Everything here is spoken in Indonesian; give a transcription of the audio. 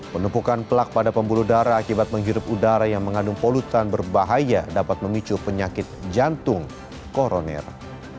penumpukan pelak pada pembuluh darah akibat menghirup udara yang mengandung polutan berbahaya dapat memicu penyakit jantung koroner